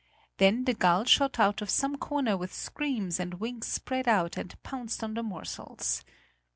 Then the gull shot out of some corner with screams and wings spread out and pounced on the morsels.